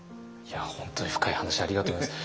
本当に深い話ありがとうございます。